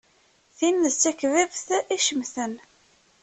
Tin d takbabt icemten.